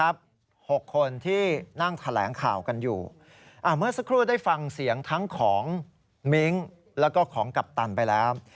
ผู้ได้ฟังเสียงทั้งของมิ้งและก็ของกัปตันไปแล้ว